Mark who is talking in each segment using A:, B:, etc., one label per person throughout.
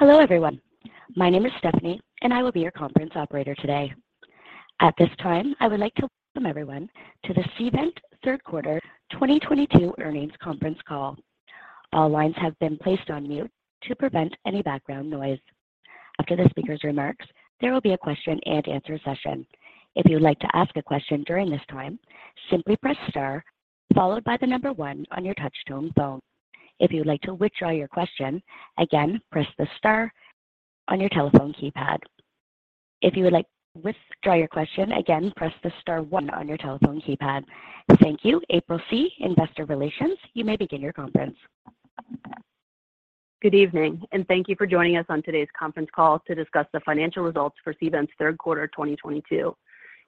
A: Hello everyone. My name is Stephanie, and I will be your conference operator today. At this time, I would like to welcome everyone to the Cvent Third Quarter 2022 Earnings Conference Call. All lines have been placed on mute to prevent any background noise. After the speaker's remarks, there will be a question-and-answer session. If you would like to ask a question during this time, simply press star followed by the number one on your touchtone phone. If you would like to withdraw your question, again, press the star one on your telephone keypad. Thank you. April C., Investor Relations. You may begin your conference.
B: Good evening, and thank you for joining us on today's conference call to discuss the financial results for Cvent's Third Quarter 2022.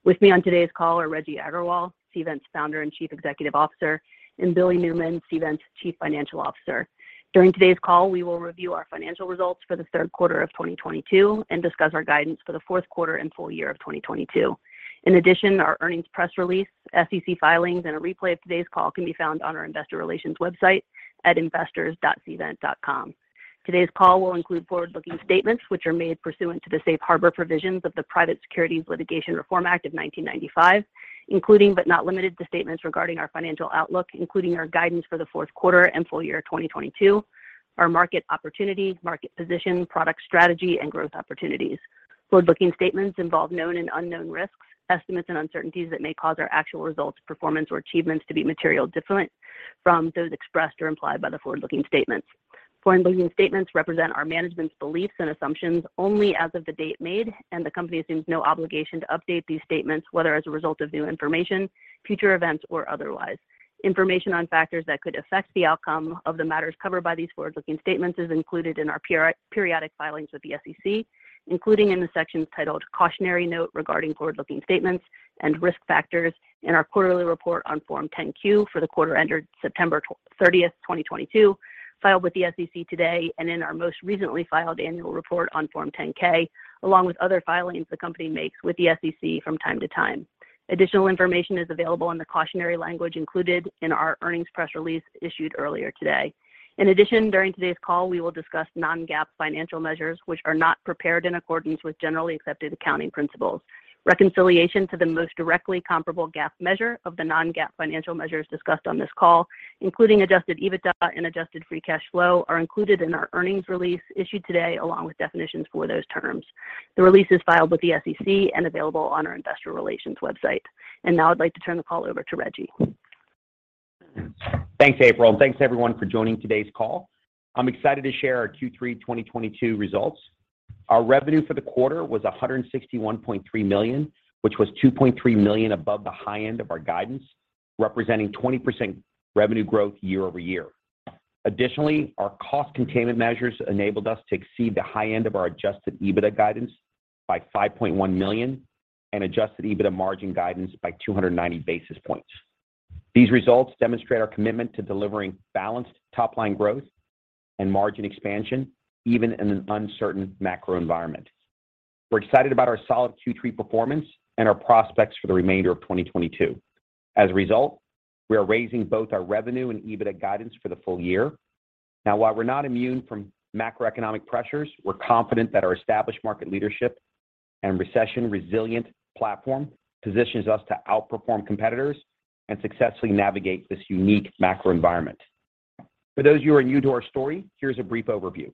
B: With me on today's call are Reggie Aggarwal, Cvent's Founder and Chief Executive Officer, and Billy Newman, Cvent's Chief Financial Officer. During today's call, we will review our financial results for the third quarter of 2022 and discuss our guidance for the fourth quarter and full year of 2022. In addition, our earnings press release, SEC filings, and a replay of today's call can be found on our investor relations website at investors.cvent.com. Today's call will include forward-looking statements, which are made pursuant to the Safe Harbor provisions of the Private Securities Litigation Reform Act of 1995, including, but not limited to, statements regarding our financial outlook, including our guidance for the fourth quarter and full year 2022, our market opportunity, market position, product strategy, and growth opportunities. Forward-looking statements involve known and unknown risks, estimates, and uncertainties that may cause our actual results, performance, or achievements to be materially different from those expressed or implied by the forward-looking statements. Forward-looking statements represent our management's beliefs and assumptions only as of the date made, and the company assumes no obligation to update these statements whether as a result of new information, future events, or otherwise. Information on factors that could affect the outcome of the matters covered by these forward-looking statements is included in our periodic filings with the SEC, including in the sections titled Cautionary Note Regarding Forward-Looking Statements and Risk Factors in our quarterly report on Form 10-Q for the quarter ended September 30, 2022, filed with the SEC today and in our most recently filed annual report on Form 10-K, along with other filings the company makes with the SEC from time to time. Additional information is available in the cautionary language included in our earnings press release issued earlier today. In addition, during today's call we will discuss non-GAAP financial measures, which are not prepared in accordance with generally accepted accounting principles. Reconciliation to the most directly comparable GAAP measure of the non-GAAP financial measures discussed on this call, including Adjusted EBITDA and Adjusted Free Cash Flow, are included in our earnings release issued today, along with definitions for those terms. The release is filed with the SEC and available on our investor relations website. Now I'd like to turn the call over to Reggie.
C: Thanks, April, and thanks everyone for joining today's call. I'm excited to share our Q3 2022 results. Our revenue for the quarter was $161.3 million, which was $2.3 million above the high end of our guidance, representing 20% revenue growth year over year. Additionally, our cost containment measures enabled us to exceed the high end of our Adjusted EBITDA guidance by $5.1 million and Adjusted EBITDA margin guidance by 290 basis points. These results demonstrate our commitment to delivering balanced top-line growth and margin expansion even in an uncertain macro environment. We're excited about our solid Q3 performance and our prospects for the remainder of 2022. As a result, we are raising both our revenue and EBITDA guidance for the full year. Now, while we're not immune from macroeconomic pressures, we're confident that our established market leadership and recession resilient platform positions us to outperform competitors and successfully navigate this unique macro environment. For those who are new to our story, here's a brief overview.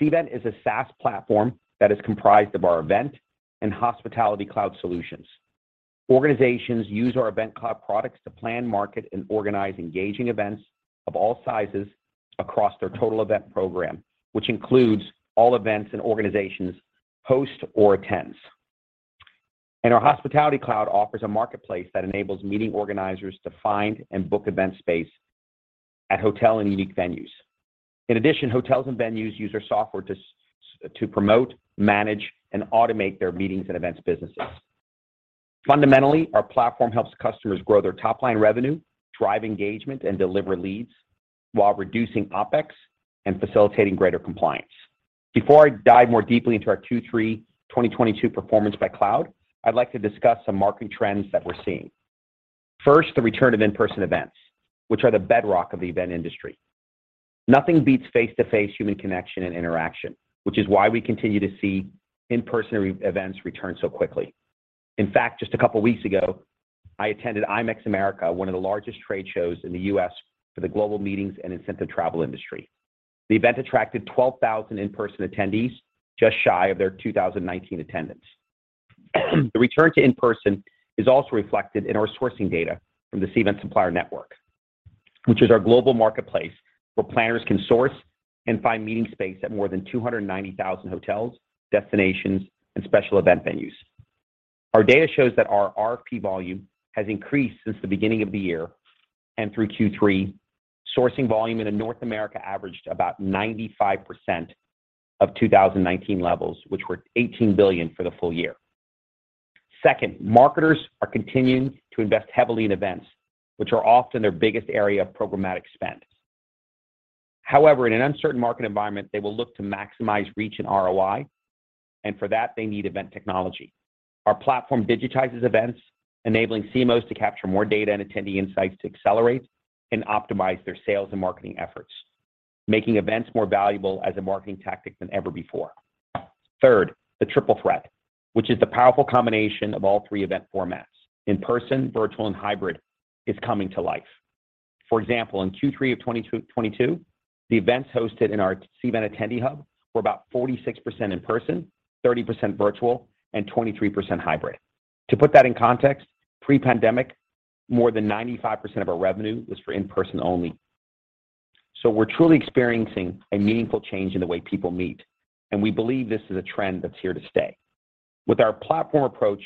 C: Cvent is a SaaS platform that is comprised of our Event and Hospitality Cloud solutions. Organizations use our Event Cloud products to plan, market, and organize engaging events of all sizes across their total event program, which includes all events an organization hosts or attends. Our Hospitality Cloud offers a marketplace that enables meeting organizers to find and book event space at hotel and unique venues. In addition, hotels and venues use our software to promote, manage, and automate their meetings and events businesses. Fundamentally, our platform helps customers grow their top-line revenue, drive engagement, and deliver leads while reducing OpEx and facilitating greater compliance. Before I dive more deeply into our Q3 2022 performance by cloud, I'd like to discuss some market trends that we're seeing. First, the return of in-person events, which are the bedrock of the event industry. Nothing beats face-to-face human connection and interaction, which is why we continue to see in-person events return so quickly. In fact, just a couple weeks ago, I attended IMEX America, one of the largest trade shows in the U.S. for the global meetings and incentive travel industry. The event attracted 12,000 in-person attendees, just shy of their 2019 attendance. The return to in-person is also reflected in our sourcing data from the Cvent Supplier Network, which is our global marketplace where planners can source and find meeting space at more than 290,000 hotels, destinations, and special event venues. Our data shows that our RFP volume has increased since the beginning of the year and through Q3 sourcing volume into North America averaged about 95% of 2019 levels, which were $18 billion for the full year. Second, marketers are continuing to invest heavily in events which are often their biggest area of programmatic spend. However, in an uncertain market environment, they will look to maximize reach and ROI. And for that, they need event technology. Our platform digitizes events, enabling CMOs to capture more data and attendee insights to accelerate and optimize their sales and marketing efforts, making events more valuable as a marketing tactic than ever before. Third, the Triple Threat, which is the powerful combination of all three event formats, in-person, virtual, and hybrid, is coming to life. For example, in Q3 of 2022, the events hosted in our Cvent Attendee Hub were about 46% in-person, 30% virtual, and 23% hybrid. To put that in context, pre-pandemic, more than 95% of our revenue was for in-person only. We're truly experiencing a meaningful change in the way people meet, and we believe this is a trend that's here to stay. With our platform approach,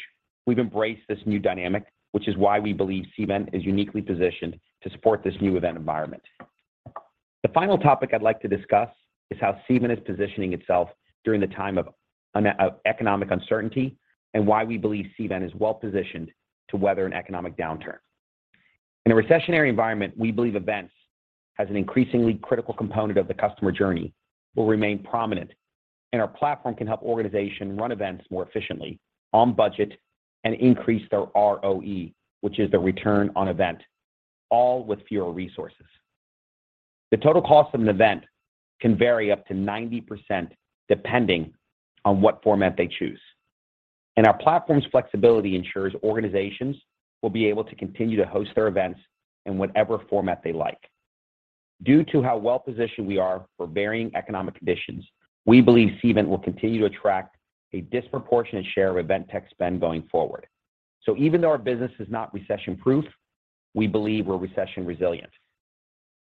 C: we've embraced this new dynamic, which is why we believe Cvent is uniquely positioned to support this new event environment. The final topic I'd like to discuss is how Cvent is positioning itself during the time of economic uncertainty and why we believe Cvent is well-positioned to weather an economic downturn. In a recessionary environment, we believe events as an increasingly critical component of the customer journey will remain prominent, and our platform can help organizations run events more efficiently on budget and increase their ROE, which is the return on event, all with fewer resources. The total cost of an event can vary up to 90% depending on what format they choose, and our platform's flexibility ensures organizations will be able to continue to host their events in whatever format they like. Due to how well-positioned we are for varying economic conditions, we believe Cvent will continue to attract a disproportionate share of event tech spend going forward. Even though our business is not recession-proof, we believe we're recession-resilient.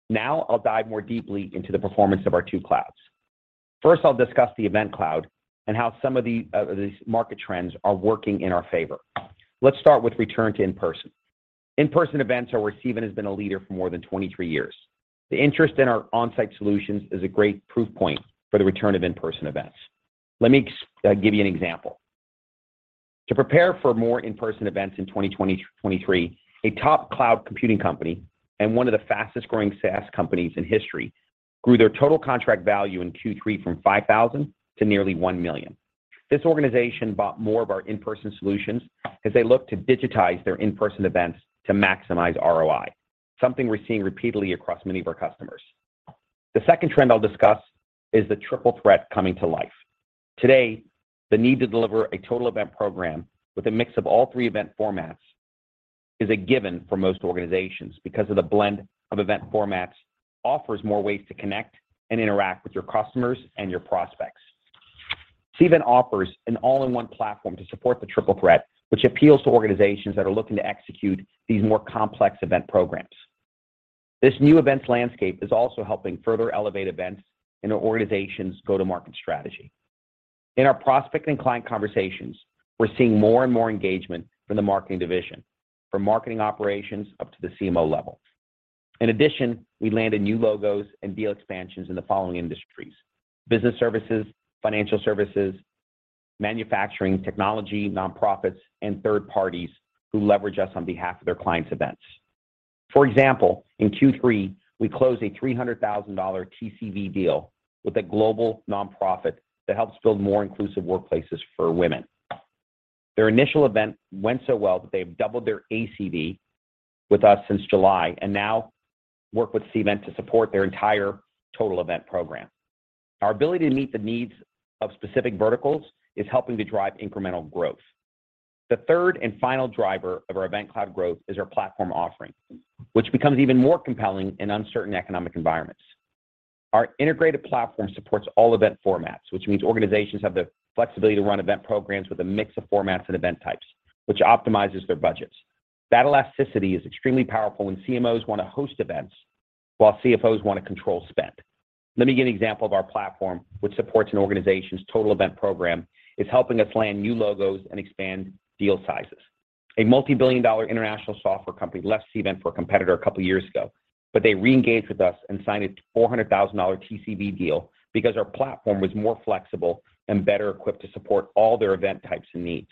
C: Now I'll dive more deeply into the performance of our two clouds. First, I'll discuss the Event Cloud and how some of these market trends are working in our favor. Let's start with return to in-person. In-person events are where Cvent has been a leader for more than 23 years. The interest in our on-site solutions is a great proof point for the return of in-person events. Let me give you an example. To prepare for more in-person events in 2023, a top cloud computing company and one of the fastest growing SaaS companies in history grew their total contract value in Q3 from $5,000 to nearly $1 million. This organization bought more of our in-person solutions as they look to digitize their in-person events to maximize ROI, something we're seeing repeatedly across many of our customers. The second trend I'll discuss is the Triple Threat coming to life. Today, the need to deliver a total event program with a mix of all three event formats is a given for most organizations because of the blend of event formats offers more ways to connect and interact with your customers and your prospects. Cvent offers an all-in-one platform to support the Triple Threat, which appeals to organizations that are looking to execute these more complex event programs. This new events landscape is also helping further elevate events in an organization's go-to-market strategy. In our prospect and client conversations, we're seeing more and more engagement from the marketing division, from marketing operations up to the CMO level. In addition, we landed new logos and deal expansions in the following industries, business services, financial services, manufacturing, technology, nonprofits, and third parties who leverage us on behalf of their clients' events. For example, in Q3, we closed a $300,000 TCV deal with a global nonprofit that helps build more inclusive workplaces for women. Their initial event went so well that they've doubled their ACV with us since July and now work with Cvent to support their entire total event program. Our ability to meet the needs of specific verticals is helping to drive incremental growth. The third and final driver of our Event Cloud growth is our platform offering, which becomes even more compelling in uncertain economic environments. Our integrated platform supports all event formats, which means organizations have the flexibility to run event programs with a mix of formats and event types, which optimizes their budgets. That elasticity is extremely powerful when CMOs want to host events while CFOs want to control spend. Let me give an example of our platform, which supports an organization's total event program, is helping us land new logos and expand deal sizes. A multi-billion-dollar international software company left Cvent for a competitor a couple of years ago, but they reengaged with us and signed a $400,000 TCV deal because our platform was more flexible and better equipped to support all their event types and needs.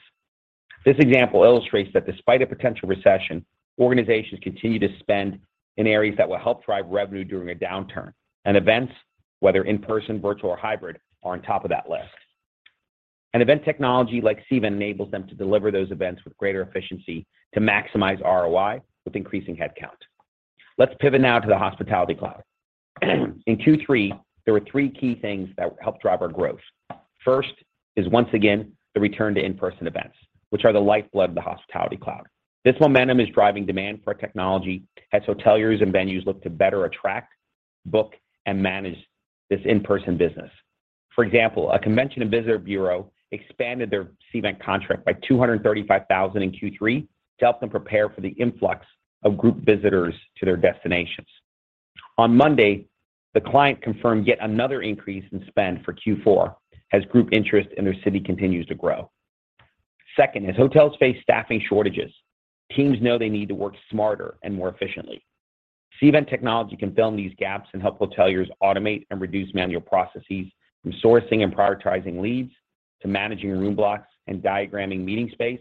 C: This example illustrates that despite a potential recession, organizations continue to spend in areas that will help drive revenue during a downturn and events, whether in-person, virtual, or hybrid, are on top of that list. An event technology like Cvent enables them to deliver those events with greater efficiency to maximize ROI with increasing headcount. Let's pivot now to the hospitality cloud. In Q3, there were three key things that helped drive our growth. First is once again, the return to in-person events, which are the lifeblood of the hospitality cloud. This momentum is driving demand for technology as hoteliers and venues look to better attract, book, and manage this in-person business. For example, a convention and visitor bureau expanded their Cvent contract by $235,000 in Q3 to help them prepare for the influx of group visitors to their destinations. On Monday, the client confirmed yet another increase in spend for Q4 as group interest in their city continues to grow. Second is hotels face staffing shortages. Teams know they need to work smarter and more efficiently. Cvent technology can fill in these gaps and help hoteliers automate and reduce manual processes from sourcing and prioritizing leads to managing room blocks and diagramming meeting space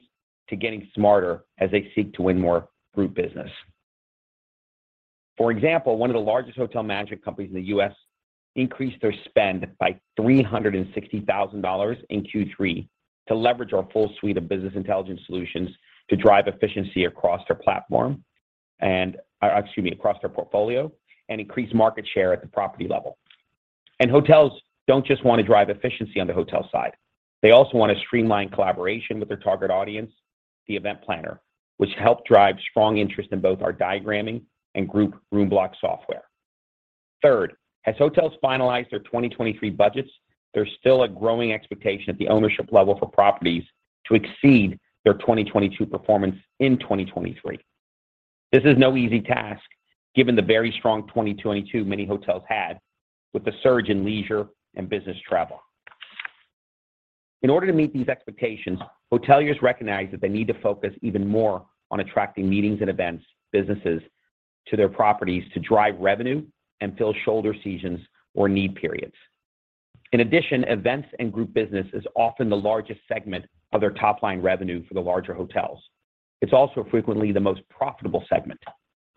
C: to getting smarter as they seek to win more group business. For example, one of the largest hotel management companies in the U.S. increased their spend by $360,000 in Q3 to leverage our full suite of business intelligence solutions to drive efficiency across their portfolio and increase market share at the property level. Hotels don't just want to drive efficiency on the hotel side. They also want to streamline collaboration with their target audience, the event planner, which helped drive strong interest in both our diagramming and group room block software. Third, as hotels finalize their 2023 budgets, there's still a growing expectation at the ownership level for properties to exceed their 2022 performance in 2023. This is no easy task given the very strong 2022 that many hotels had with the surge in leisure and business travel. In order to meet these expectations, hoteliers recognize that they need to focus even more on attracting meetings and events businesses to their properties to drive revenue and fill shoulder seasons or lean periods. In addition, events and group business is often the largest segment of their top-line revenue for the larger hotels. It's also frequently the most profitable segment.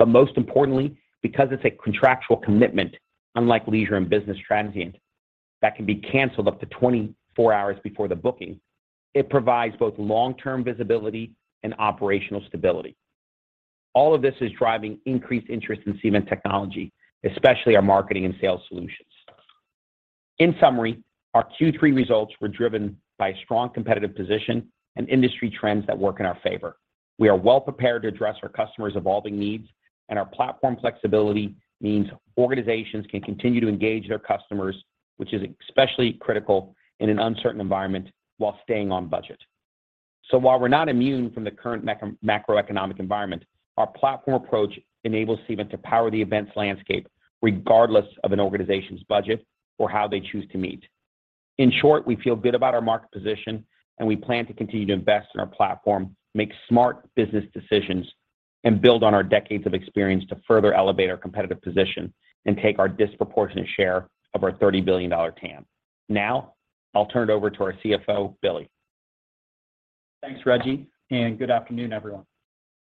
C: Most importantly, because it's a contractual commitment, unlike leisure and business transient that can be canceled up to 24 hours before the booking, it provides both long-term visibility and operational stability. All of this is driving increased interest in Cvent technology, especially our marketing and sales solutions. In summary, our Q3 results were driven by strong competitive position and industry trends that work in our favor. We are well prepared to address our customers' evolving needs, and our platform flexibility means organizations can continue to engage their customers, which is especially critical in an uncertain environment while staying on budget. While we're not immune from the current macroeconomic environment, our platform approach enables Cvent to power the events landscape regardless of an organization's budget or how they choose to meet. In short, we feel good about our market position, and we plan to continue to invest in our platform, make smart business decisions, and build on our decades of experience to further elevate our competitive position and take our disproportionate share of our $30 billion TAM. Now, I'll turn it over to our CFO, Billy.
D: Thanks, Reggie, and good afternoon, everyone.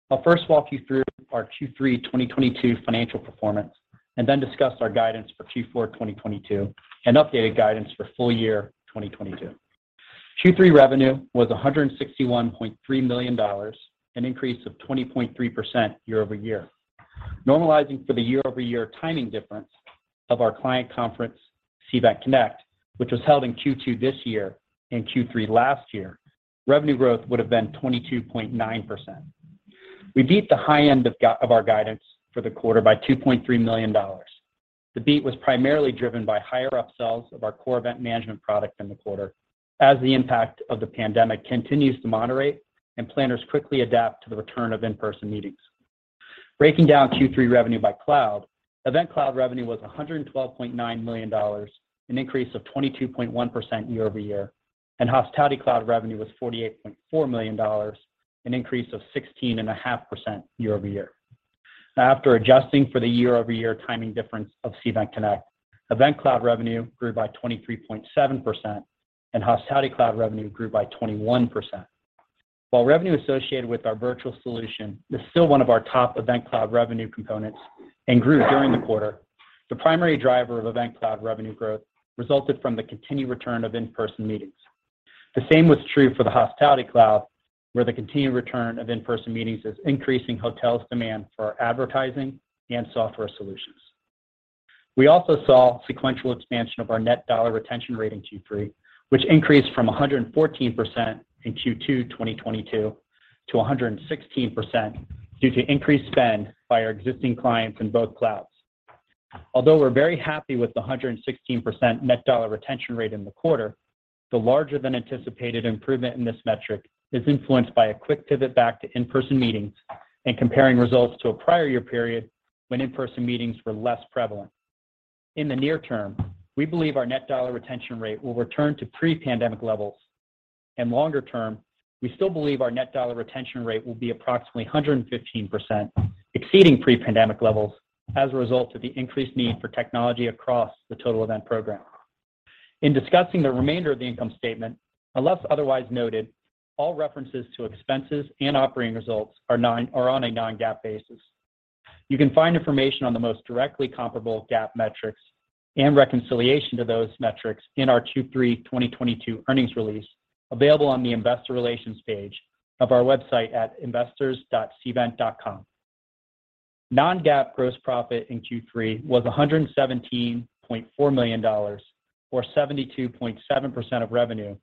D: I'll first walk you through our Q3 2022 financial performance and then discuss our guidance for Q4 2022 and updated guidance for full year 2022. Q3 revenue was $161.3 million, an increase of 20.3% year-over-year. Normalizing for the year-over-year timing difference of our client conference, Cvent CONNECT, which was held in Q2 this year and Q3 last year, revenue growth would have been 22.9%. We beat the high end of our guidance for the quarter by $2.3 million. The beat was primarily driven by higher upsells of our core event management product in the quarter as the impact of the pandemic continues to moderate and planners quickly adapt to the return of in-person meetings. Breaking down Q3 revenue by cloud, Event Cloud revenue was $112.9 million, an increase of 22.1% year-over-year, and Hospitality Cloud revenue was $48.4 million, an increase of 16.5% year-over-year. After adjusting for the year-over-year timing difference of Cvent CONNECT, Event Cloud revenue grew by 23.7%, and Hospitality Cloud revenue grew by 21%. While revenue associated with our virtual solution is still one of our top Event Cloud revenue components and grew during the quarter, the primary driver of Event Cloud revenue growth resulted from the continued return of in-person meetings. The same was true for the Hospitality Cloud, where the continued return of in-person meetings is increasing hotels' demand for advertising and software solutions. We also saw sequential expansion of our net dollar retention rate in Q3, which increased from 114% in Q2 2022 to 116% due to increased spend by our existing clients in both clouds. Although we're very happy with the 116% net dollar retention rate in the quarter, the larger than anticipated improvement in this metric is influenced by a quick pivot back to in-person meetings and comparing results to a prior year period when in-person meetings were less prevalent. In the near term, we believe our net dollar retention rate will return to pre-pandemic levels. Longer term, we still believe our net dollar retention rate will be approximately 115%, exceeding pre-pandemic levels as a result of the increased need for technology across the total event program. In discussing the remainder of the income statement, unless otherwise noted, all references to expenses and operating results are on a non-GAAP basis. You can find information on the most directly comparable GAAP metrics and reconciliation to those metrics in our Q3 2022 earnings release available on the investor relations page of our website at investors.cvent.com. Non-GAAP gross profit in Q3 was $117.4 million, or 72.7% of revenue,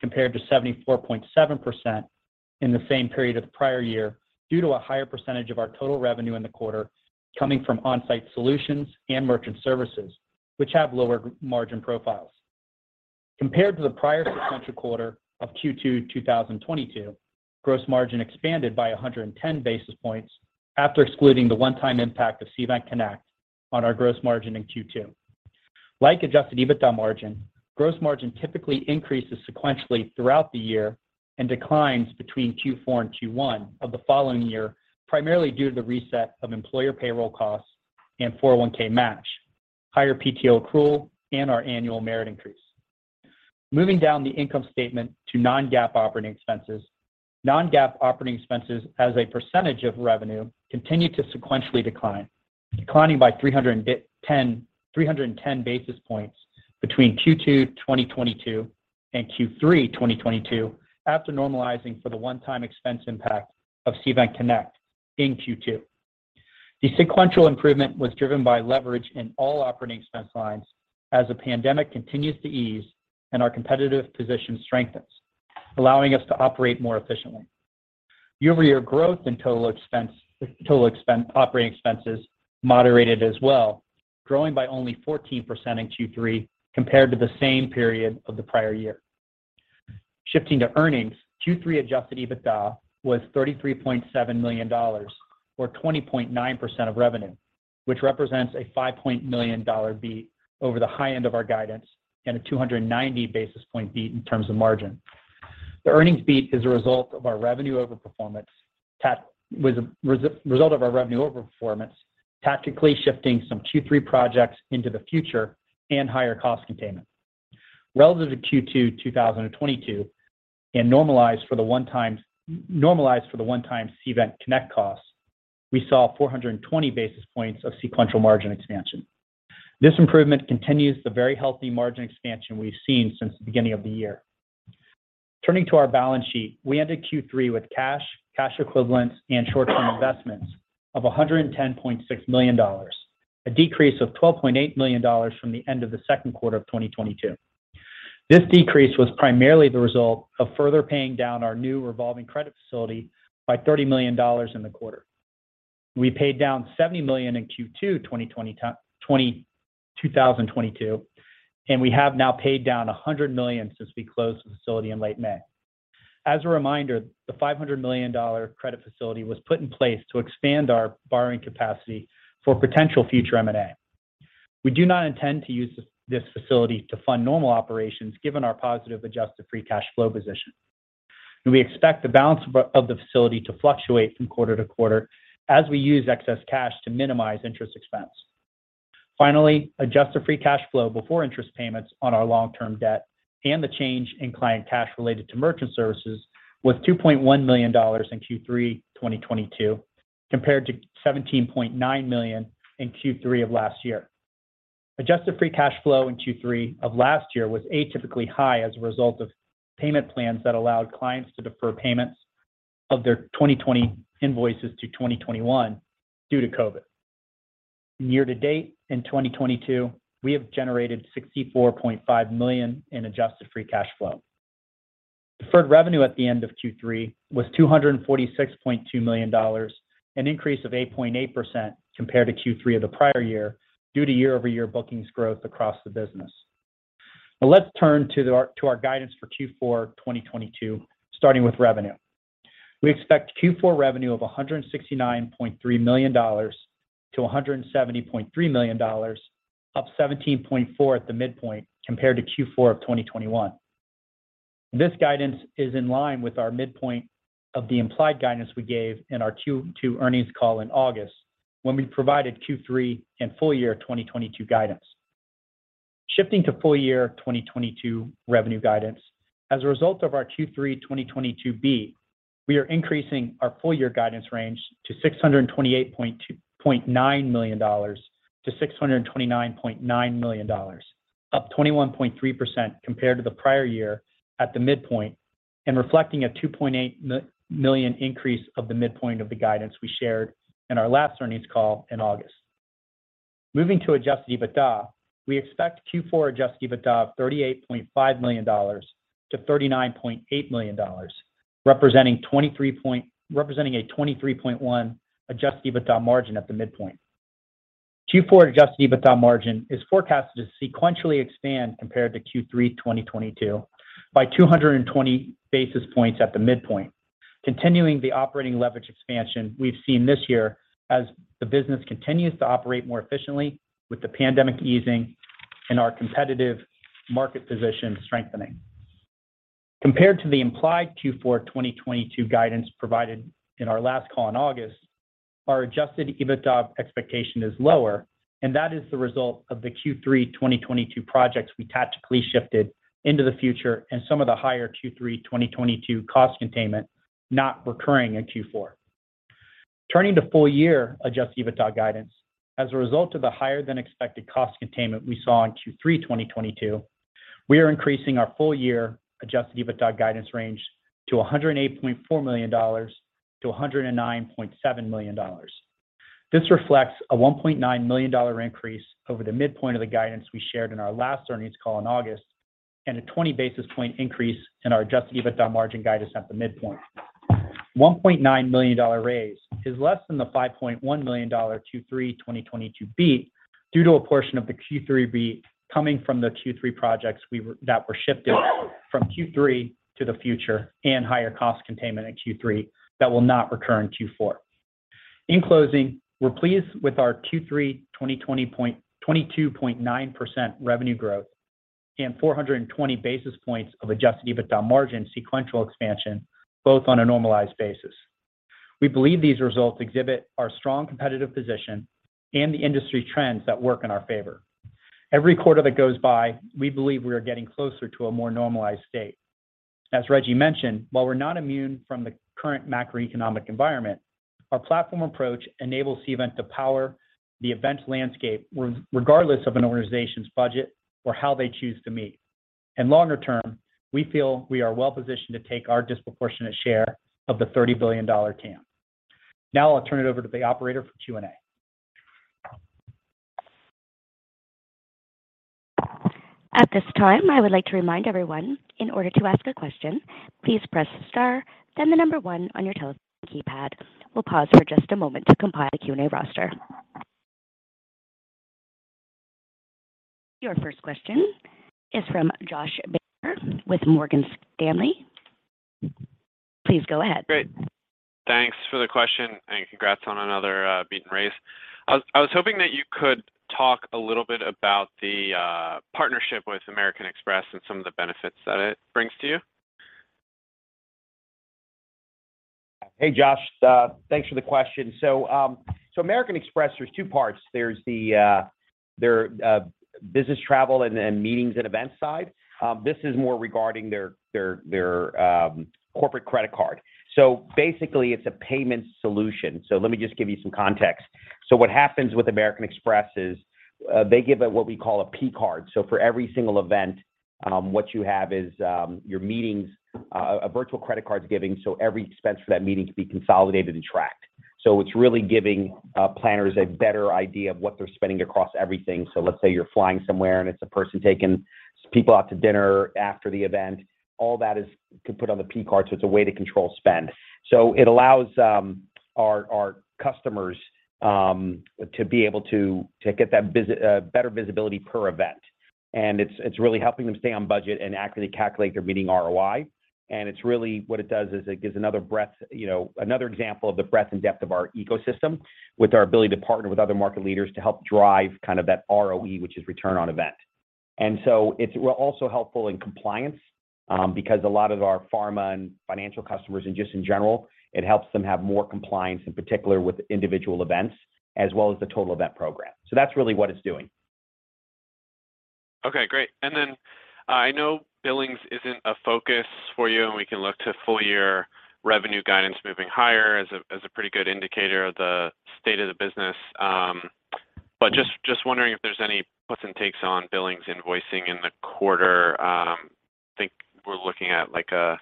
D: compared to 74.7% in the same period of the prior year, due to a higher percentage of our total revenue in the quarter coming from on-site solutions and merchant services, which have lower gross margin profiles. Compared to the prior sequential quarter of Q2 2022, gross margin expanded by 110 basis points after excluding the one-time impact of Cvent CONNECT on our gross margin in Q2. Like adjusted EBITDA margin, gross margin typically increases sequentially throughout the year and declines between Q4 and Q1 of the following year, primarily due to the reset of employer payroll costs and 401(k) match, higher PTO accrual, and our annual merit increase. Moving down the income statement to non-GAAP operating expenses. Non-GAAP operating expenses as a percentage of revenue continued to sequentially decline, declining by 310 basis points between Q2 2022 and Q3 2022 after normalizing for the one-time expense impact of Cvent CONNECT in Q2. The sequential improvement was driven by leverage in all operating expense lines as the pandemic continues to ease and our competitive position strengthens, allowing us to operate more efficiently. Year-over-year growth in operating expenses moderated as well, growing by only 14% in Q3 compared to the same period of the prior year. Shifting to earnings, Q3 Adjusted EBITDA was $33.7 million or 20.9% of revenue, which represents a $5.1 million beat over the high end of our guidance and a 290 basis point beat in terms of margin. The earnings beat is a result of our revenue overperformance, tactically shifting some Q3 projects into the future and higher cost containment. Relative to Q2 2022 and normalized for the one-time Cvent CONNECT costs, we saw 420 basis points of sequential margin expansion. This improvement continues the very healthy margin expansion we've seen since the beginning of the year. Turning to our balance sheet, we ended Q3 with cash equivalents, and short-term investments of $110.6 million, a decrease of $12.8 million from the end of the second quarter of 2022. This decrease was primarily the result of further paying down our new revolving credit facility by $30 million in the quarter. We paid down $70 million in Q2 2022, and we have now paid down $100 million since we closed the facility in late May. As a reminder, the $500 million credit facility was put in place to expand our borrowing capacity for potential future M&A. We do not intend to use this facility to fund normal operations given our positive Adjusted Free Cash Flow position. We expect the balance of the facility to fluctuate from quarter to quarter as we use excess cash to minimize interest expense. Finally, Adjusted Free Cash Flow before interest payments on our long-term debt and the change in client cash related to merchant services was $2.1 million in Q3 2022, compared to $17.9 million in Q3 of last year. Adjusted Free Cash Flow in Q3 of last year was atypically high as a result of payment plans that allowed clients to defer payments of their 2020 invoices to 2021 due to COVID. Year to date in 2022, we have generated $64.5 million in Adjusted Free Cash Flow. Deferred Revenue at the end of Q3 was $246.2 million, an increase of 8.8% compared to Q3 of the prior year due to year-over-year bookings growth across the business. Now let's turn to our guidance for Q4 2022, starting with revenue. We expect Q4 revenue of $169.3 million-$170.3 million, up 17.4% at the midpoint compared to Q4 of 2021. This guidance is in line with our midpoint of the implied guidance we gave in our Q2 earnings call in August when we provided Q3 and full year 2022 guidance. Shifting to full year 2022 revenue guidance. As a result of our Q3 2022 beat, we are increasing our full year guidance range to $628.2 million-$629.9 million, up 21.3% compared to the prior year at the midpoint and reflecting a $2.8 million increase of the midpoint of the guidance we shared in our last earnings call in August. Moving to adjusted EBITDA, we expect Q4 adjusted EBITDA of $38.5 million-$39.8 million, representing a 23.1% adjusted EBITDA margin at the midpoint. Q4 adjusted EBITDA margin is forecasted to sequentially expand compared to Q3 2022 by 220 basis points at the midpoint, continuing the operating leverage expansion we've seen this year as the business continues to operate more efficiently with the pandemic easing and our competitive market position strengthening. Compared to the implied Q4 2022 guidance provided in our last call in August, our adjusted EBITDA expectation is lower, and that is the result of the Q3 2022 projects we tactically shifted into the future and some of the higher Q3 2022 cost containment not recurring in Q4. Turning to full year adjusted EBITDA guidance. As a result of the higher than expected cost containment we saw in Q3 2022, we are increasing our full year adjusted EBITDA guidance range to $108.4 million to $109.7 million. This reflects a $1.9 million increase over the midpoint of the guidance we shared in our last earnings call in August and a 20 basis point increase in our Adjusted EBITDA margin guidance at the midpoint. $1.9 million raise is less than the $5.1 million Q3 2022 beat due to a portion of the Q3 beat coming from the Q3 projects that were shifted from Q3 to the future and higher cost containment in Q3 that will not recur in Q4. In closing, we're pleased with our Q3 22.9% revenue growth and 420 basis points of Adjusted EBITDA margin sequential expansion both on a normalized basis. We believe these results exhibit our strong competitive position and the industry trends that work in our favor. Every quarter that goes by, we believe we are getting closer to a more normalized state. As Reggie mentioned, while we're not immune from the current macroeconomic environment, our platform approach enables Cvent to power the event landscape regardless of an organization's budget or how they choose to meet. Longer term, we feel we are well positioned to take our disproportionate share of the $30 billion TAM. Now I'll turn it over to the operator for Q&A.
A: At this time, I would like to remind everyone, in order to ask a question, please press star then the number one on your telephone keypad. We'll pause for just a moment to compile a Q&A roster. Your first question is from Josh Baer with Morgan Stanley. Please go ahead.
E: Great. Thanks for the question and congrats on another beaten race. I was hoping that you could talk a little bit about the partnership with American Express and some of the benefits that it brings to you?
C: Hey, Josh, thanks for the question. American Express, there's two parts. There's their business travel and then meetings and events side. This is more regarding their corporate credit card. Basically it's a payment solution. Let me just give you some context. What happens with American Express is, they give out what we call a P-card. For every single event, what you have is your meetings a virtual credit card is given, so every expense for that meeting can be consolidated and tracked. It's really giving planners a better idea of what they're spending across everything. Let's say you're flying somewhere and it's a person taking people out to dinner after the event, all that is. can put on the P-card, so it's a way to control spend. It allows our customers to be able to get that better visibility per event. It's really helping them stay on budget and accurately calculate their meeting ROI. It's really, what it does is it gives another breadth, you know, another example of the breadth and depth of our ecosystem with our ability to partner with other market leaders to help drive kind of that ROE, which is return on event. It's also helpful in compliance, because a lot of our pharma and financial customers and just in general, it helps them have more compliance, in particular with individual events, as well as the total event program. That's really what it's doing.
E: Okay, great. I know billings isn't a focus for you, and we can look to full year revenue guidance moving higher as a pretty good indicator of the state of the business. Just wondering if there's any puts and takes on billings invoicing in the quarter. I think we're looking at like a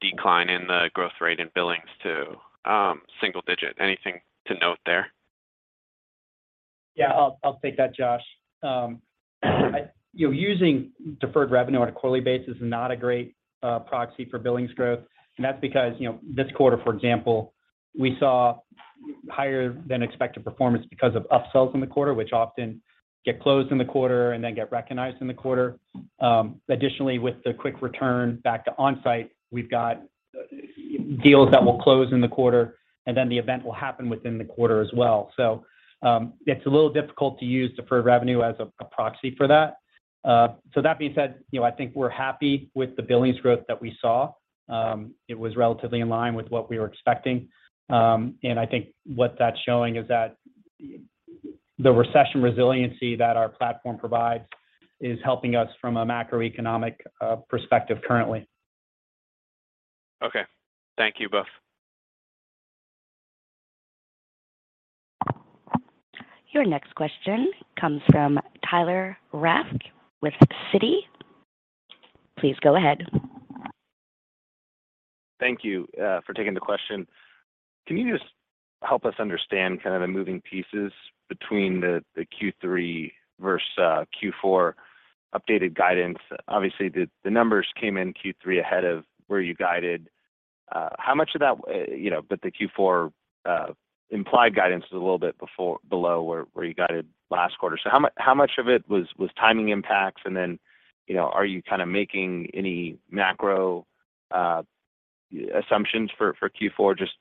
E: decline in the growth rate in billings to single digit. Anything to note there?
D: Yeah, I'll take that, Josh. You know, using Deferred Revenue on a quarterly basis is not a great proxy for billings growth. That's because, you know, this quarter, for example, we saw higher than expected performance because of upsells in the quarter, which often get closed in the quarter and then get recognized in the quarter. Additionally, with the quick return back to onsite, we've got deals that will close in the quarter, and then the event will happen within the quarter as well. It's a little difficult to use Deferred Revenue as a proxy for that. That being said, you know, I think we're happy with the billings growth that we saw. It was relatively in line with what we were expecting. I think what that's showing is that the recession resiliency that our platform provides is helping us from a macroeconomic perspective currently.
E: Okay. Thank you both.
A: Your next question comes from Tyler Radke with Citi. Please go ahead.
F: Thank you for taking the question. Can you just help us understand kind of the moving pieces between the Q3 versus Q4 updated guidance? Obviously, the numbers came in Q3 ahead of where you guided. How much of that, you know, the Q4 implied guidance is a little bit below where you guided last quarter. How much of it was timing impacts? Then, you know, are you kind of making any macro assumptions for Q4 just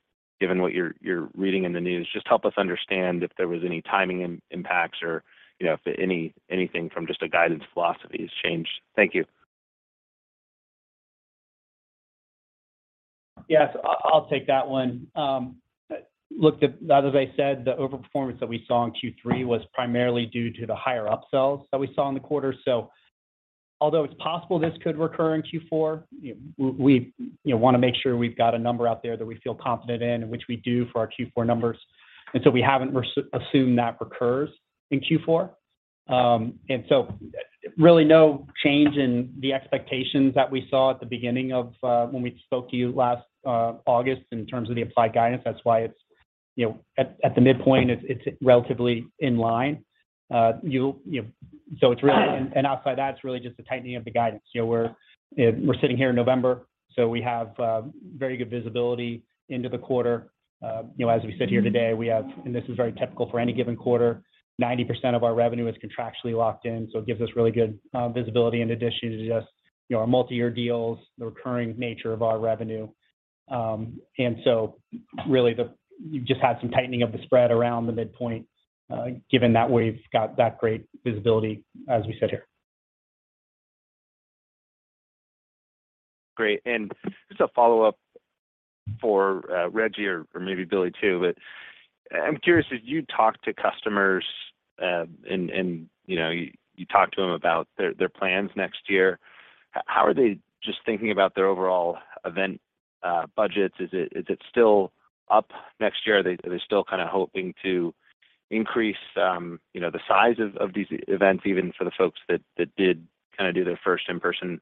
F: given what you're reading in the news? Just help us understand if there was any timing impacts or, you know, if anything from just a guidance philosophy has changed. Thank you.
D: Yes, I'll take that one. As I said, the overperformance that we saw in Q3 was primarily due to the higher upsells that we saw in the quarter. Although it's possible this could recur in Q4, you know, we wanna make sure we've got a number out there that we feel confident in, and which we do for our Q4 numbers. We haven't assumed that recurs in Q4. Really no change in the expectations that we saw at the beginning of when we spoke to you last August in terms of the implied guidance. That's why it's, you know, at the midpoint, it's relatively in line. Outside that, it's really just a tightening of the guidance. You know, we're sitting here in November, so we have very good visibility into the quarter. You know, as we sit here today, we have, and this is very typical for any given quarter, 90% of our revenue is contractually locked in, so it gives us really good visibility in addition to just, you know, our multiyear deals, the recurring nature of our revenue. You've just had some tightening of the spread around the midpoint, given that we've got that great visibility as we sit here.
F: Great. Just a follow-up for Reggie or maybe Billy too. I'm curious, as you talk to customers, and you know, you talk to them about their plans next year, how are they just thinking about their overall event budgets? Is it still up next year? Are they still kind of hoping to increase, you know, the size of these events, even for the folks that did kind of do their first in-person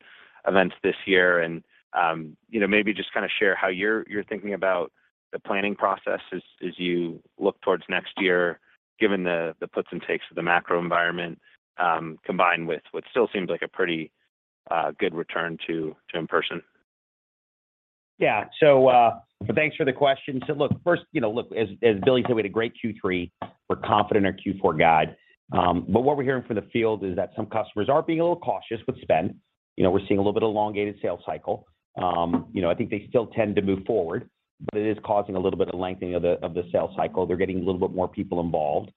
F: events this year? You know, maybe just kind of share how you're thinking about the planning process as you look towards next year, given the puts and takes of the macro environment, combined with what still seems like a pretty good return to in-person.
C: Yeah, thanks for the question. First, you know, as Billy said, we had a great Q3. We're confident in our Q4 guide. What we're hearing from the field is that some customers are being a little cautious with spend. You know, we're seeing a little bit of elongated sales cycle. You know, I think they still tend to move forward, it is causing a little bit of lengthening of the sales cycle. They're getting a little bit more people involved.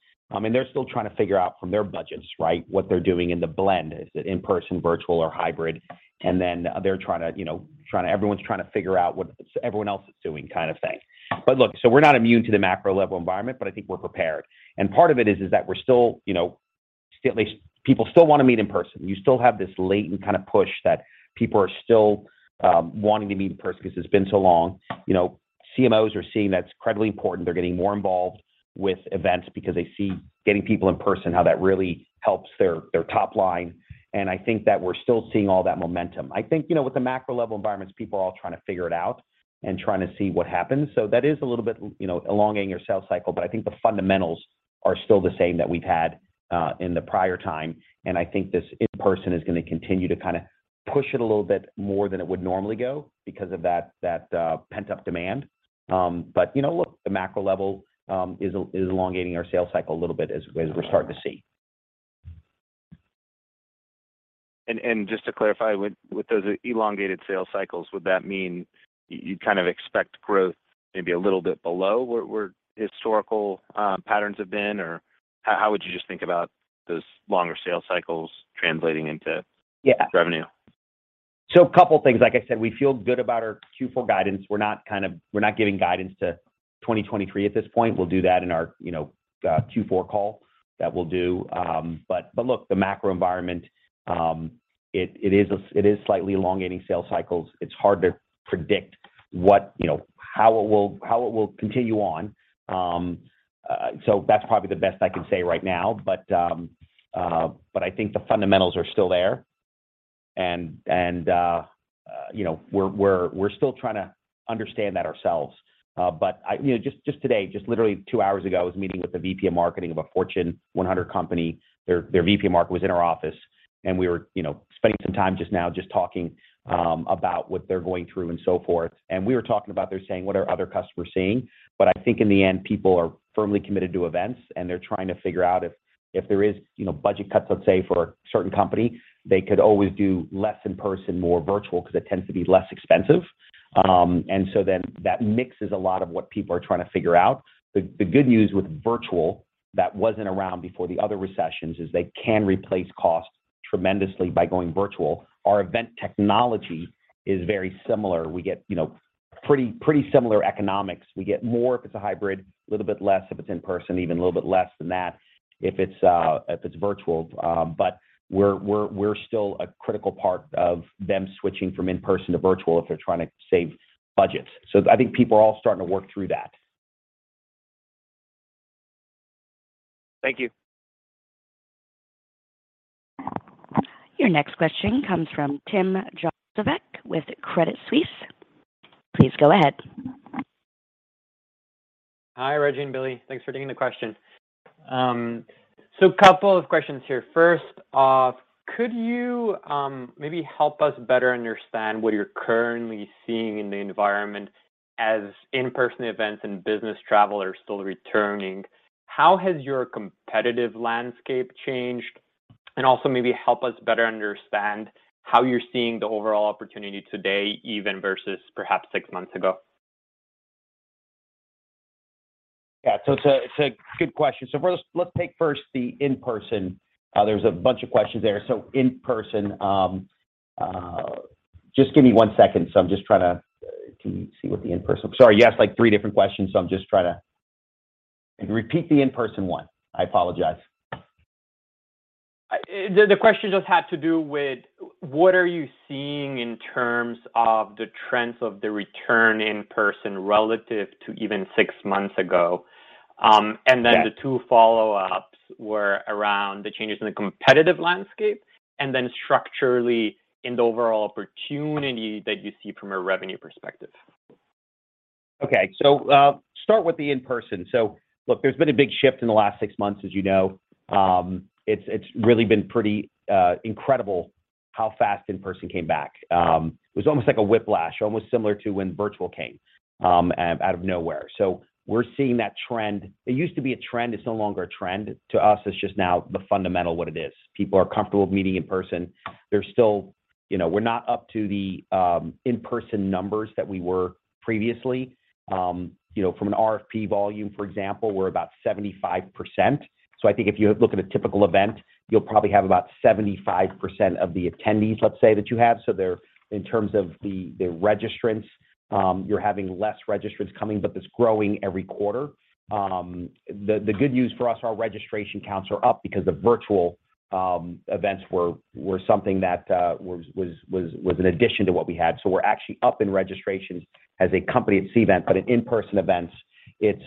C: They're still trying to figure out from their budgets, right, what they're doing in the blend. Is it in-person, virtual or hybrid? Then they're trying to, you know, figure out what everyone else is doing kind of thing. Look, we're not immune to the macro level environment, but I think we're prepared. Part of it is that we're still, you know, still at least people still wanna meet in-person. You still have this latent kind of push that people are still wanting to meet in-person because it's been so long. You know, CMOs are seeing that's incredibly important. They're getting more involved with events because they see getting people in-person, how that really helps their top line. I think that we're still seeing all that momentum. I think, you know, with the macro level environments, people are all trying to figure it out and trying to see what happens. That is a little bit, you know, elongating your sales cycle, but I think the fundamentals are still the same that we've had in the prior time. I think this in-person is gonna continue to kind of push it a little bit more than it would normally go because of that, pent-up demand. You know, look, the macro level is elongating our sales cycle a little bit as we're starting to see.
F: Just to clarify, with those elongated sales cycles, would that mean you kind of expect growth maybe a little bit below where historical patterns have been? Or how would you just think about those longer sales cycles translating into-
C: Yeah...
F: revenue?
C: A couple things. Like I said, we feel good about our Q4 guidance. We're not giving guidance to 2023 at this point. We'll do that in our Q4 call that we'll do. But look, the macro environment, it is slightly elongating sales cycles. It's hard to predict what, how it will continue on. That's probably the best I can say right now. But I think the fundamentals are still there. We're still trying to understand that ourselves. I just today, literally two hours ago, was meeting with the VP of marketing of a Fortune 100 company. Their VP of Marketing was in our office, and we were, you know, spending some time just now just talking about what they're going through and so forth. We were talking about, they're saying, what are other customers seeing? I think in the end, people are firmly committed to events, and they're trying to figure out if there is, you know, budget cuts, let's say, for a certain company, they could always do less in-person, more virtual, because it tends to be less expensive. That mix is a lot of what people are trying to figure out. The good news with virtual that wasn't around before the other recessions is they can replace costs tremendously by going virtual. Our event technology is very similar. We get, you know, pretty similar economics. We get more if it's a hybrid, a little bit less if it's in-person, even a little bit less than that if it's virtual. We're still a critical part of them switching from in-person to virtual if they're trying to save budgets. I think people are all starting to work through that.
F: Thank you.
A: Your next question comes from DJ Hynes with Credit Suisse. Please go ahead.
G: Hi, Reggie and Billy. Thanks for taking the question. Couple of questions here. First off, could you maybe help us better understand what you're currently seeing in the environment as in-person events and business travel are still returning? How has your competitive landscape changed? And also maybe help us better understand how you're seeing the overall opportunity today even versus perhaps six months ago.
C: Yeah. It's a good question. First, let's take first the in-person. There's a bunch of questions there. In-person, just give me one second. I'm just trying to see what the in-person. Sorry, you asked, like, three different questions, so I'm just trying to repeat the in-person one. I apologize.
G: The question just had to do with what are you seeing in terms of the trends of the return in-person relative to even six months ago?
C: Yeah.
G: the two follow-ups were around the changes in the competitive landscape and then structurally in the overall opportunity that you see from a revenue perspective.
C: Okay. Start with the in-person. Look, there's been a big shift in the last six months, as you know. It's really been pretty incredible how fast in-person came back. It was almost like a whiplash, almost similar to when virtual came out of nowhere. We're seeing that trend. It used to be a trend. It's no longer a trend. To us, it's just now the fundamental what it is. People are comfortable meeting in-person. They're still you know, we're not up to the in-person numbers that we were previously. You know, from an RFP volume, for example, we're about 75%. I think if you look at a typical event, you'll probably have about 75% of the attendees, let's say, that you have. They're in terms of the registrants. You're having less registrants coming, but it's growing every quarter. The good news for us, our registration counts are up because the virtual events were something that was an addition to what we had. We're actually up in registrations as a company at Cvent. At in-person events, it's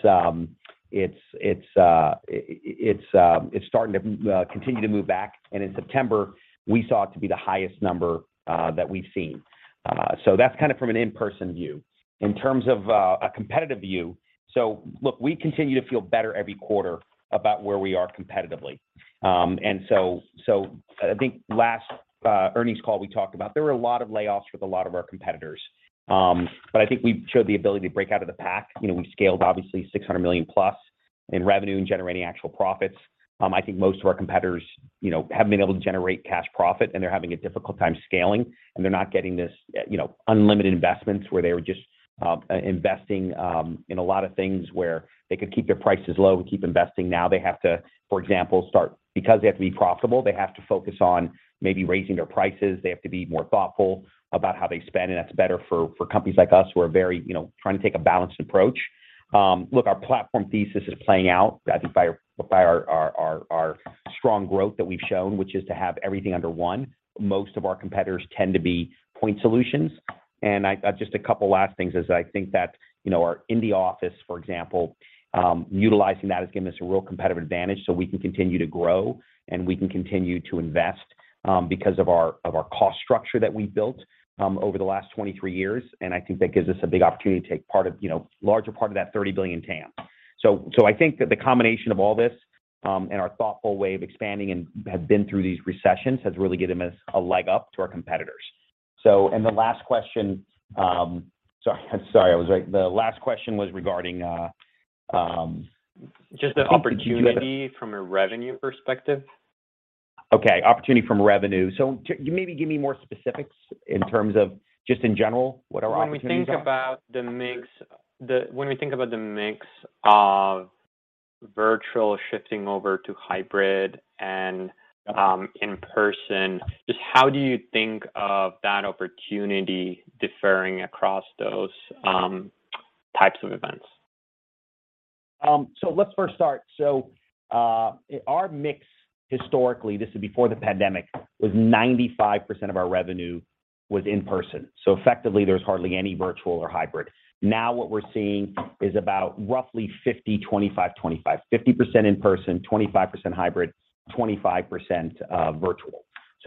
C: starting to continue to move back. In September, we saw it to be the highest number that we've seen. That's kind of from an in-person view. In terms of a competitive view. Look, we continue to feel better every quarter about where we are competitively. I think last earnings call we talked about there were a lot of layoffs with a lot of our competitors. I think we've showed the ability to break out of the pack. You know, we've scaled obviously $600 million-plus in revenue and generating actual profits. I think most of our competitors, you know, haven't been able to generate cash profit, and they're having a difficult time scaling, and they're not getting this, you know, unlimited investments where they were just investing in a lot of things where they could keep their prices low and keep investing. Now they have to, for example, because they have to be profitable, they have to focus on maybe raising their prices. They have to be more thoughtful about how they spend, and that's better for companies like us who are very, you know, trying to take a balanced approach. Look, our platform thesis is playing out as if by our strong growth that we've shown, which is to have everything under one. Most of our competitors tend to be point solutions. Just a couple last things is I think that, you know, our in-the-office, for example, utilizing that has given us a real competitive advantage so we can continue to grow and we can continue to invest, because of our cost structure that we've built over the last 23 years. I think that gives us a big opportunity to take part of, you know, larger part of that $30 billion TAM. I think that the combination of all this, and our thoughtful way of expanding and have been through these recessions has really given us a leg up to our competitors. Sorry, I was like, the last question was regarding.
G: Just the opportunity from a revenue perspective.
C: Okay, opportunity from revenue. Maybe give me more specifics in terms of just in general what our opportunities are.
G: When we think about the mix of virtual shifting over to hybrid and in-person, just how do you think of that opportunity differing across those types of events?
C: Let's first start. Our mix historically, this is before the pandemic, was 95% of our revenue was in-person. Effectively, there was hardly any virtual or hybrid. Now what we're seeing is about roughly 50/25/25, 50% in-person, 25% hybrid, 25% virtual.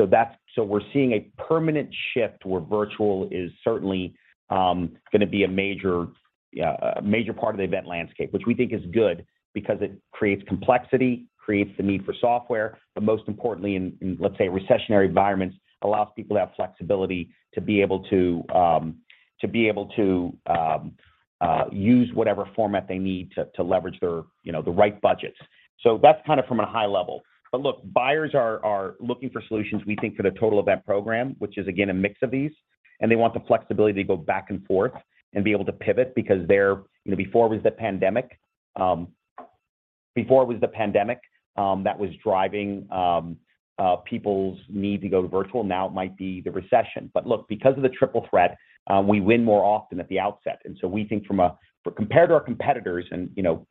C: That's a permanent shift where virtual is certainly gonna be a major part of the event landscape, which we think is good because it creates complexity, creates the need for software, but most importantly in, let's say, recessionary environments, allows people to have flexibility to be able to use whatever format they need to leverage their, you know, the right budgets. That's kind of from a high level. Look, buyers are looking for solutions, we think, for the total event program, which is again, a mix of these, and they want the flexibility to go back and forth and be able to pivot because they're, you know, before it was the pandemic, that was driving people's need to go to virtual. Now it might be the recession. Look, because of the Triple Threat, we win more often at the outset. So we think compared to our competitors and, you know,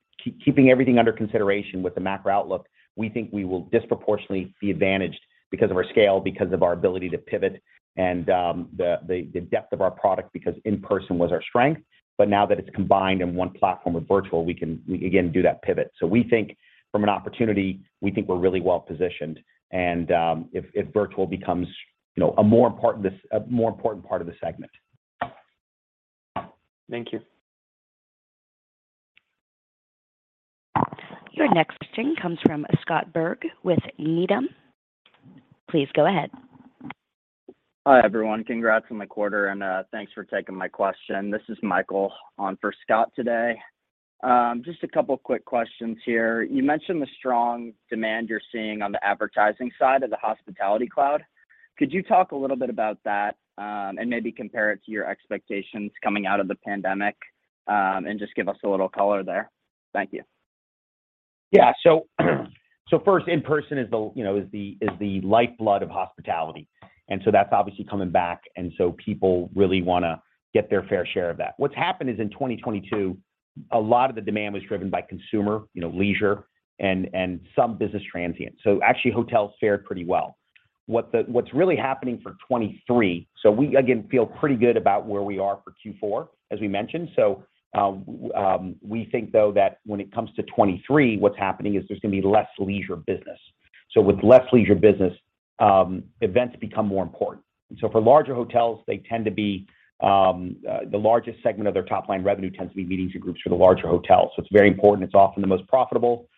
C: keeping everything under consideration with the macro outlook, we think we will disproportionately be advantaged because of our scale, because of our ability to pivot, and the depth of our product, because in-person was our strength. Now that it's combined in one platform of virtual, we can again do that pivot. We think from an opportunity, we're really well-positioned and, if virtual becomes, you know, a more important part of the segment.
G: Thank you.
A: Your next string comes from Scott Berg with Needham. Please go ahead.
H: Hi, everyone. Congrats on the quarter, and thanks for taking my question. This is Michael on for Scott today. Just a couple quick questions here. You mentioned the strong demand you're seeing on the advertising side of the Hospitality Cloud. Could you talk a little bit about that, and maybe compare it to your expectations coming out of the pandemic, and just give us a little color there? Thank you.
C: Yeah. First in-person is the, you know, is the lifeblood of hospitality, and that's obviously coming back, and people really wanna get their fair share of that. What's happened is in 2022, a lot of the demand was driven by consumer, you know, leisure and some business transient. Actually, hotels fared pretty well. What's really happening for 2023. We again feel pretty good about where we are for Q4, as we mentioned. We think though that when it comes to 2023, what's happening is there's gonna be less leisure business. With less leisure business, events become more important. For larger hotels, the largest segment of their top-line revenue tends to be meetings and groups for the larger hotels. It's very important. It's often the most profitable.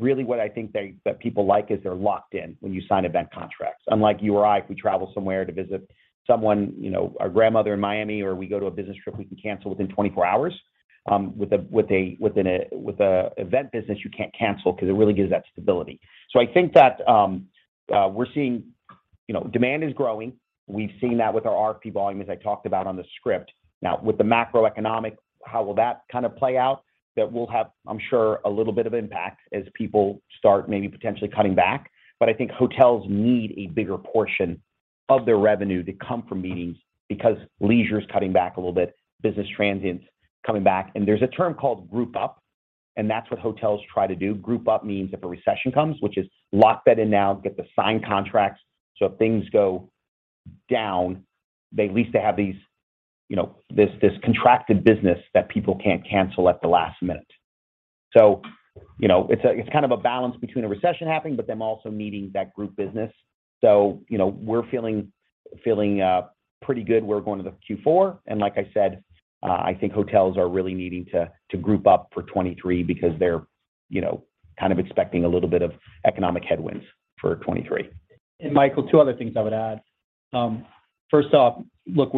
C: Really what I think that people like is they're locked in when you sign event contracts. Unlike you or I, if we travel somewhere to visit someone, you know, a grandmother in Miami or we go to a business trip, we can cancel within 24 hours. With an event business, you can't cancel because it really gives that stability. I think that we're seeing, you know, demand is growing. We've seen that with our RFP volume, as I talked about on the script. Now with the macroeconomic. How will that kind of play out? That will have, I'm sure, a little bit of impact as people start maybe potentially cutting back. I think hotels need a bigger portion of their revenue to come from meetings because leisure is cutting back a little bit, business transient's coming back. There's a term called group up, and that's what hotels try to do. Group up means if a recession comes, which is lock that in now, get the signed contracts, so if things go down, at least they have these, you know, this contracted business that people can't cancel at the last minute. You know, it's kind of a balance between a recession happening, but them also needing that group business. You know, we're feeling pretty good. We're going to the Q4. Like I said, I think hotels are really needing to group up for 2023 because they're, you know, kind of expecting a little bit of economic headwinds for 2023.
D: Michael, two other things I would add. First off, look,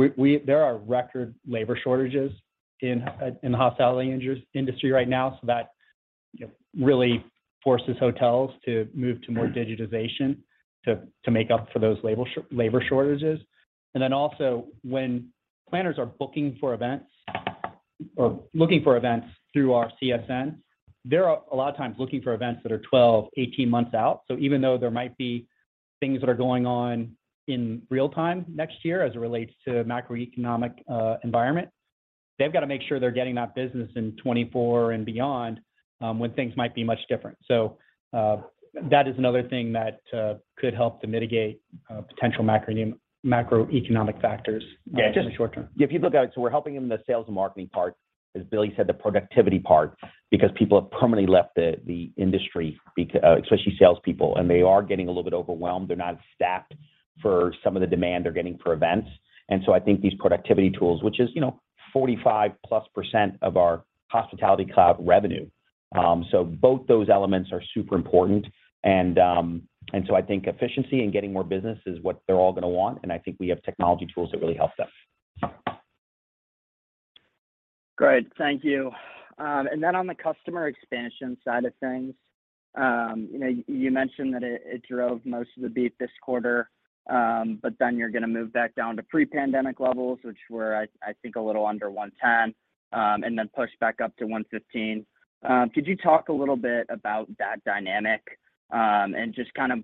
D: there are record labor shortages in the hospitality industry right now, so that, you know, really forces hotels to move to more digitization to make up for those labor shortages. Also, when planners are booking for events or looking for events through our CSN, they're a lot of times looking for events that are 12, 18 months out. Even though there might be things that are going on in real time next year as it relates to macroeconomic environment, they've got to make sure they're getting that business in 2024 and beyond, when things might be much different. That is another thing that could help to mitigate potential macroeconomic factors in the short term.
C: We're helping them in the sales and marketing part, as Billy said, the productivity part, because people have permanently left the industry, especially salespeople, and they are getting a little bit overwhelmed. They're not staffed for some of the demand they're getting for events. I think these productivity tools, which is 45%+ of our Hospitality Cloud revenue. Both those elements are super important. I think efficiency and getting more business is what they're all gonna want, and I think we have technology tools that really help them.
H: Great. Thank you. Then on the customer expansion side of things, you know, you mentioned that it drove most of the beat this quarter, but then you're gonna move back down to pre-pandemic levels, which were, I think a little under 110%, and then push back up to 115%. Could you talk a little bit about that dynamic, and just kind of,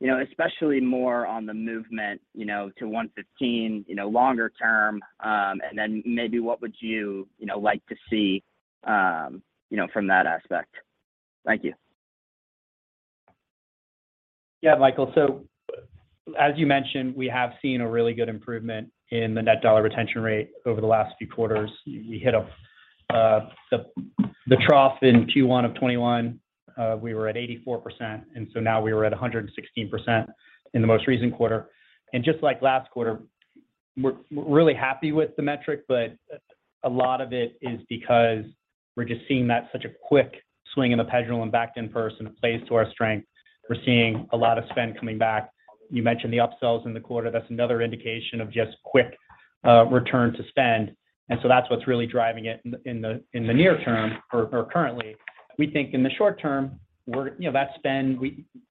H: you know, especially more on the movement, you know, to 115%, you know, longer term, and then maybe what would you know, like to see, you know, from that aspect? Thank you.
D: Yeah, Michael. As you mentioned, we have seen a really good improvement in the Net Dollar Retention Rate over the last few quarters. We hit the trough in Q1 of 2021. We were at 84%, and now we were at 116% in the most recent quarter. Just like last quarter, we're really happy with the metric, but a lot of it is because we're just seeing that such a quick swing in the pendulum back in-person. It plays to our strength. We're seeing a lot of spend coming back. You mentioned the upsells in the quarter. That's another indication of just quick return to spend. That's what's really driving it in the near term or currently. We think in the short term, you know, that spend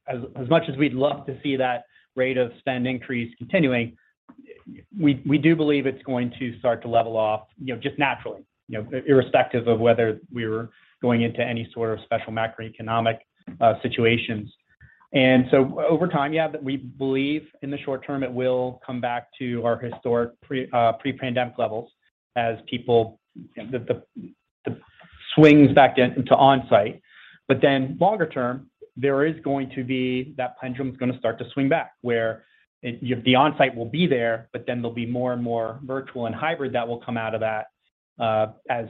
D: as much as we'd love to see that rate of spend increase continuing, we do believe it's going to start to level off, you know, just naturally, you know, irrespective of whether we're going into any sort of special macroeconomic situations. Over time, we believe in the short term it will come back to our historic pre-pandemic levels as people the swing back into onsite. Longer term, there is going to be that pendulum's gonna start to swing back, where the onsite will be there, but then there'll be more and more virtual and hybrid that will come out of that as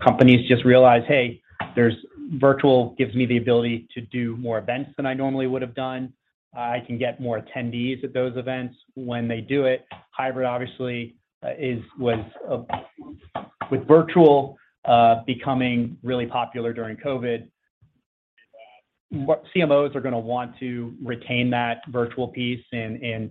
D: companies just realize, "Hey, there's virtual gives me the ability to do more events than I normally would have done. I can get more attendees at those events when they do it. Hybrid obviously is with virtual becoming really popular during COVID. CMOs are gonna want to retain that virtual piece and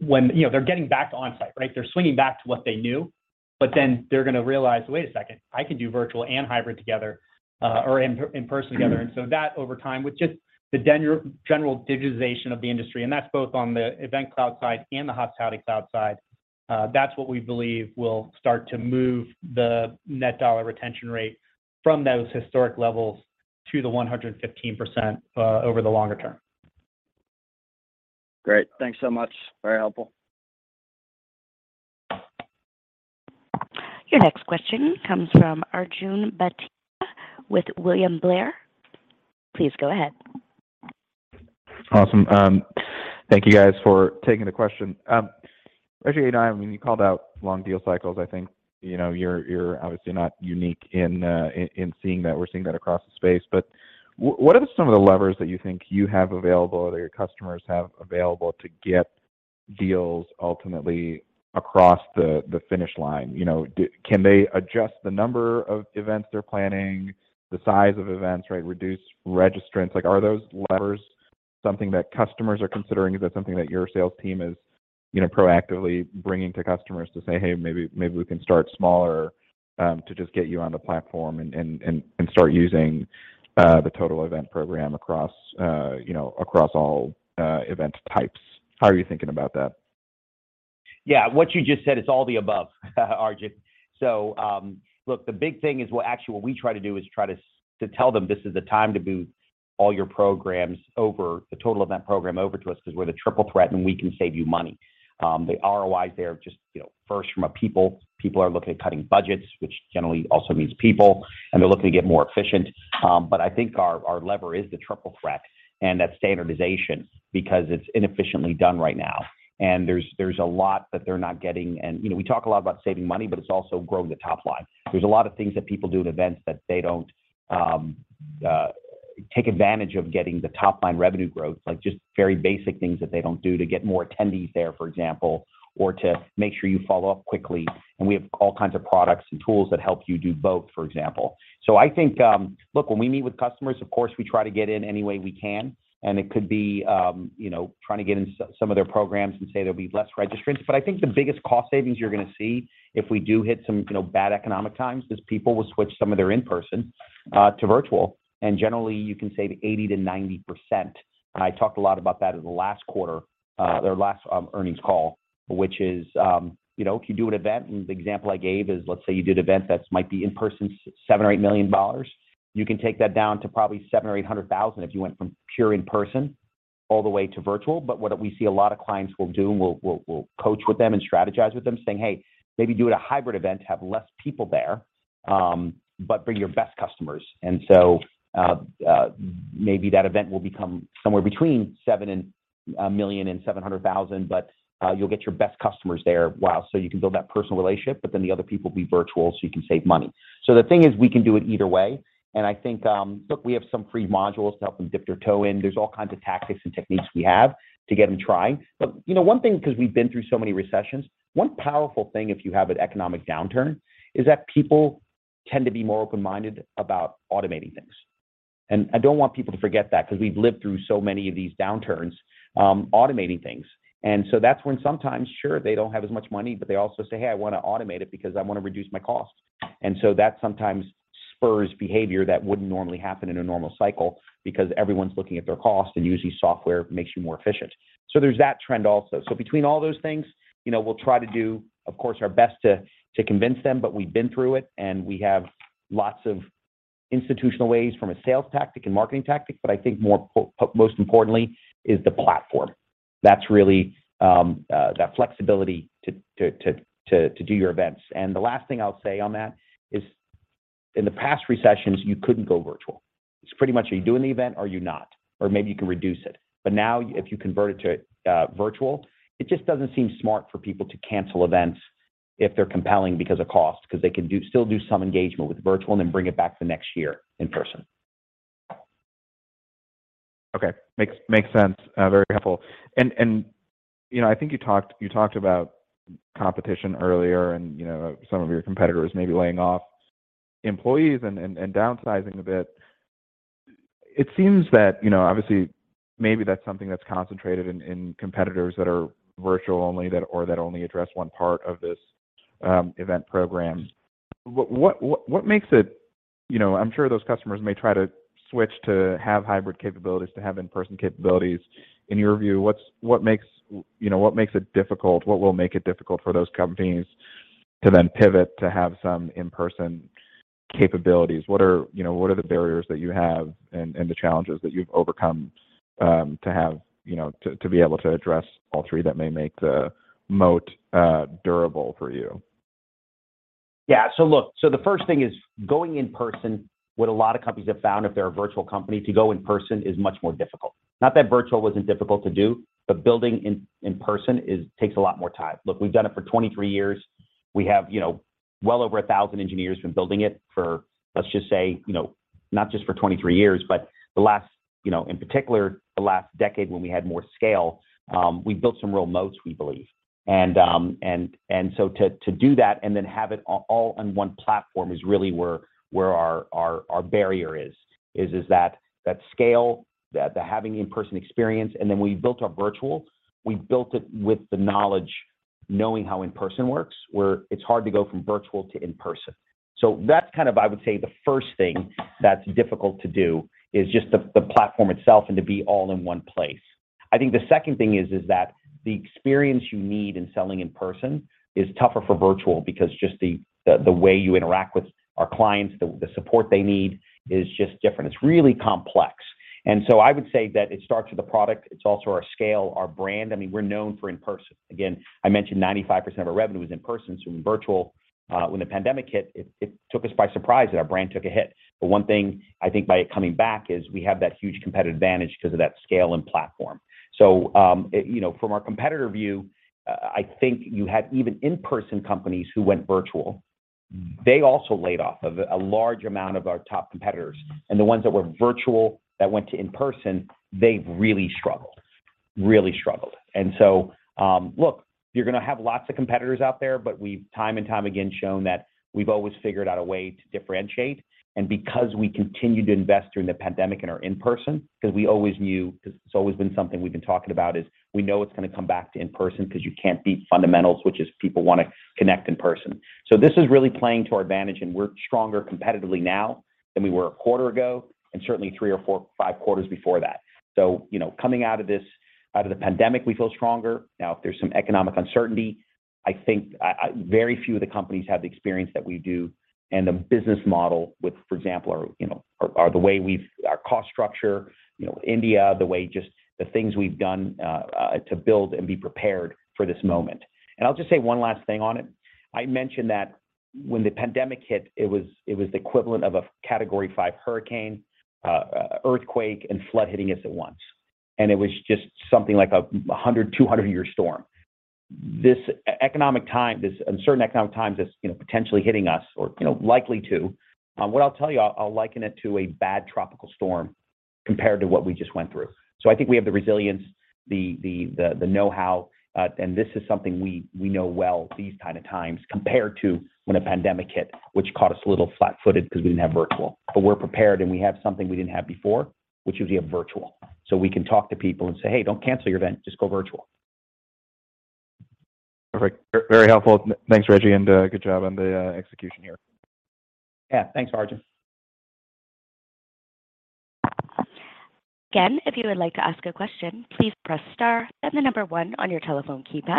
D: when you know, they're getting back to onsite, right? They're swinging back to what they knew, but then they're gonna realize, "Wait a second, I can do virtual and hybrid together or in-person together." That over time, with just the general digitization of the industry, and that's both on the Event Cloud side and the Hospitality Cloud side, that's what we believe will start to move the Net Dollar Retention Rate from those historic levels to 115%, over the longer term.
H: Great. Thanks so much. Very helpful.
A: Your next question comes from Arjun Bhatia with William Blair. Please go ahead.
I: Awesome. Thank you guys for taking the question. Actually, you know, I mean, you called out long deal cycles. I think, you know, you're obviously not unique in seeing that. We're seeing that across the space. What are some of the levers that you think you have available or that your customers have available to get deals ultimately across the finish line? You know, can they adjust the number of events they're planning, the size of events, right, reduce registrants? Like, are those levers something that customers are considering? Is that something that your sales team is, you know, proactively bringing to customers to say, "Hey, maybe we can start smaller to just get you on the platform and start using the total event program across, you know, across all event types"? How are you thinking about that?
C: Yeah, what you just said, it's all the above, Arjun. Look, the big thing is actually what we try to do is try to tell them this is the time to move all your programs over, the total event program over to us 'cause we're the Triple Threat, and we can save you money. The ROIs there just, you know, first from a people are looking at cutting budgets, which generally also means people, and they're looking to get more efficient. I think our lever is the Triple Threat and that standardization because it's inefficiently done right now. There's a lot that they're not getting, and, you know, we talk a lot about saving money, but it's also growing the top line. There's a lot of things that people do at events that they don't take advantage of getting the top-line revenue growth, like just very basic things that they don't do to get more attendees there, for example, or to make sure you follow up quickly. We have all kinds of products and tools that help you do both, for example. I think, look, when we meet with customers, of course, we try to get in any way we can, and it could be, you know, trying to get in some of their programs and say there'll be less registrants. I think the biggest cost savings you're gonna see if we do hit some, you know, bad economic times, is people will switch some of their in-person to virtual. Generally, you can save 80%-90%. I talked a lot about that in the last quarter's earnings call, which is, you know, if you do an event and the example I gave is let's say you did an event that's a $7-$8 million in-person, you can take that down to probably $700,000-$800,000 if you went from pure in-person all the way to virtual. What we see a lot of clients will do, and we'll coach with them and strategize with them, saying, "Hey, maybe do it as a hybrid event, have less people there, but bring your best customers." Maybe that event will become somewhere between $700,000 and $1 million, but you'll get your best customers there while... You can build that personal relationship, but then the other people will be virtual, so you can save money. The thing is, we can do it either way. I think, look, we have some free modules to help them dip their toe in. There's all kinds of tactics and techniques we have to get them trying. You know, one thing, 'cause we've been through so many recessions, one powerful thing if you have an economic downturn is that people tend to be more open-minded about automating things. I don't want people to forget that because we've lived through so many of these downturns, automating things. That's when sometimes, sure, they don't have as much money, but they also say, "Hey, I wanna automate it because I wanna reduce my cost." That sometimes spurs behavior that wouldn't normally happen in a normal cycle because everyone's looking at their cost, and usually software makes you more efficient. There's that trend also. Between all those things, you know, we'll try to do, of course, our best to convince them, but we've been through it, and we have lots of institutional ways from a sales tactic and marketing tactic. I think most importantly is the platform. That's really that flexibility to do your events. The last thing I'll say on that is in the past recessions, you couldn't go virtual. It's pretty much, are you doing the event? Are you not? Maybe you can reduce it. Now if you convert it to virtual, it just doesn't seem smart for people to cancel events if they're compelling because of cost, 'cause they can still do some engagement with virtual and then bring it back the next year in-person.
I: Okay. Makes sense. Very helpful. You know, I think you talked about competition earlier and, you know, some of your competitors may be laying off employees and downsizing a bit. It seems that, you know, obviously maybe that's something that's concentrated in competitors that are virtual only that or that only address one part of this event program. What makes it. You know, I'm sure those customers may try to switch to have hybrid capabilities, to have in-person capabilities. In your view, what makes. You know, what makes it difficult? What will make it difficult for those companies to then pivot to have some in-person capabilities? What are You know, what are the barriers that you have and the challenges that you've overcome to have, you know, to be able to address all three that may make the moat durable for you?
C: Yeah. Look, the first thing is going in-person. What a lot of companies have found, if they're a virtual company, to go in-person is much more difficult. Not that virtual wasn't difficult to do, but building in-person takes a lot more time. Look, we've done it for 23 years. We have, you know, well over 1,000 engineers building it for, let's just say, you know, not just for 23 years, but the last, you know, in particular, the last decade when we had more scale. We built some real moats, we believe. So to do that and then have it all on one platform is really where our barrier is. That scale, the having in-person experience, and then we built our virtual. We built it with the knowledge knowing how in-person works, where it's hard to go from virtual to in-person. That's kind of, I would say, the first thing that's difficult to do, is just the platform itself and to be all in one place. I think the second thing is that the experience you need in selling in-person is tougher for virtual because just the way you interact with our clients, the support they need is just different. It's really complex. I would say that it starts with the product. It's also our scale, our brand. I mean, we're known for in-person. Again, I mentioned 95% of our revenue is in-person, so in virtual, when the pandemic hit, it took us by surprise that our brand took a hit. One thing I think by it coming back is we have that huge competitive advantage because of that scale and platform. You know, from our competitor view, I think you had even in-person companies who went virtual. They also laid off a large amount of our top competitors. The ones that were virtual that went to in-person, they've really struggled. Look, you're gonna have lots of competitors out there, but we've time and time again shown that we've always figured out a way to differentiate. Because we continued to invest during the pandemic in our in-person, 'cause we always knew, 'cause it's always been something we've been talking about, is we know it's gonna come back to in-person 'cause you can't beat fundamentals, which is people wanna connect in-person. This is really playing to our advantage, and we're stronger competitively now than we were a quarter ago, and certainly three or four, five quarters before that. You know, coming out of this, out of the pandemic, we feel stronger. Now, if there's some economic uncertainty, I think very few of the companies have the experience that we do and the business model with, for example, our cost structure, you know, India, the way just the things we've done to build and be prepared for this moment. I'll just say one last thing on it. I mentioned that when the pandemic hit, it was the equivalent of a Category 5 hurricane, earthquake, and flood hitting us at once. It was just something like a 100- or 200-year storm. This economic time, this uncertain economic times is, you know, potentially hitting us or, you know, likely to. What I'll tell you, I'll liken it to a bad tropical storm compared to what we just went through. I think we have the resilience, the know-how, and this is something we know well these kind of times compared to when a pandemic hit, which caught us a little flat-footed because we didn't have virtual. We're prepared, and we have something we didn't have before, which is we have virtual. We can talk to people and say, "Hey, don't cancel your event. Just go virtual.
I: Perfect. Very helpful. Thanks, Reggie, and good job on the execution here.
C: Yeah. Thanks, Arjun.
A: Again, if you would like to ask a question, please press star then the number one on your telephone keypad.